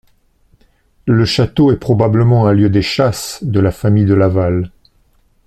Le château est probablement un lieu des chasses de la famille de Laval.